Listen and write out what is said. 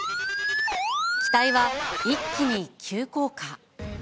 機体は一気に急降下。